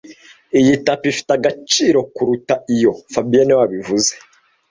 Iyi tapi ifite agaciro kuruta iyo fabien niwe wabivuze